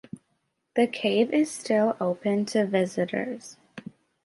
The cave is still open to visitors.